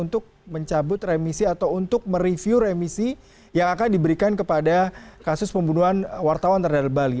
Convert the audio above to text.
untuk mencabut remisi atau untuk mereview remisi yang akan diberikan kepada kasus pembunuhan wartawan terhadap bali